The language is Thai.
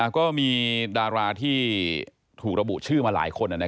ก็มีดาราที่ถูกระบุชื่อมาหลายคน